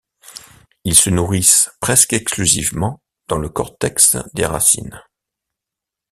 Ils se nourrissent presque exclusivement dans le cortex des racines.